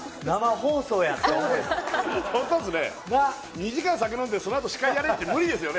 ２時間酒飲んで、そのあと司会やれって無理ですよね。